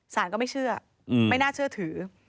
สารก็ไม่เชื่อไม่น่าเชื่อถือ